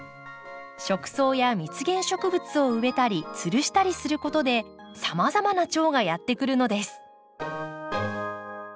食草や蜜源植物を植えたりつるしたりすることでさまざまなチョウがやって来るのです。